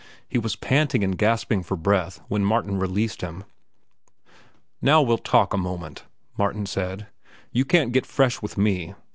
He was panting and gasping for breath when Martin released him. "Now we'll talk a moment," Martin said. "You can't get fresh with me.